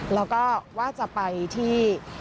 แล้วก็ว่าจะไปที่